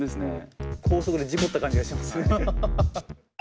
高速で事故った感じがしますね。